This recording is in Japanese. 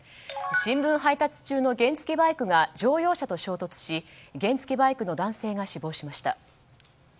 新聞配達中の原付きバイクが乗用車と衝突し原付きバイクの男性が死亡しました。